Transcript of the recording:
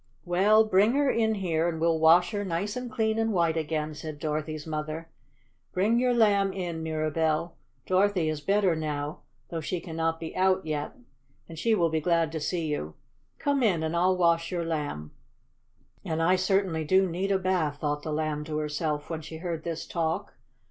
"Well, bring her in here and we'll wash her nice and clean and white again," said Dorothy's mother. "Bring your Lamb in, Mirabell. Dorothy is better now, though she cannot be out yet, and she will be glad to see you. Come in and I'll wash your Lamb!" "And I certainly do need a bath!" thought the Lamb to herself, when she heard this talk.